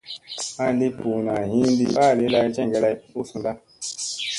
An li ɓuuna hinɗi faali lay jeŋge lay u sunɗa.